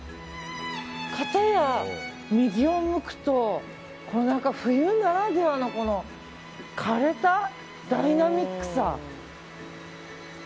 かたや右を向くと冬ならではの枯れたダイナミックさ。